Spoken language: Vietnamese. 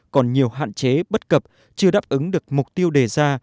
còn nhiều hạn chế bất cập chưa đáp ứng được mục tiêu đề ra